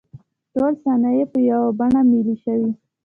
ټولې صنایع په یوه بڼه ملي شوې.